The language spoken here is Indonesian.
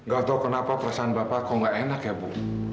gak tau kenapa perasaan bapak kok gak enak ya bu